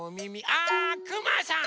あくまさん！